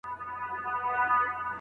بلا خبرې مې په زړه کې لکه ته پاتې دي